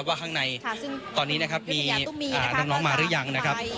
ว่าข้างในตอนนี้มีน้องมาหรือยัง